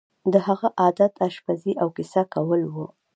د هغه عادت آشپزي او کیسه لیکل وو